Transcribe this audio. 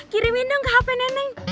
kirimin dong ke hp neneng